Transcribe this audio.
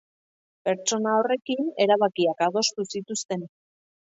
Pertsona horrekin erabakiak adostu zituzten.